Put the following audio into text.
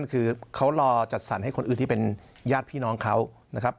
คือเขารอจัดสรรให้คนอื่นที่เป็นญาติพี่น้องเขานะครับ